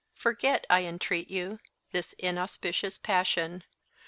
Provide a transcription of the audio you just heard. "Forget, I entreat you, this inauspicious passion.